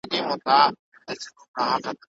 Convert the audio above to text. حافظ سخاوي رحمه الله فرمايي.